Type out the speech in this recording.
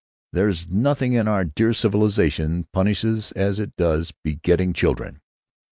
There's nothing that our dear civilization punishes as it does begetting children.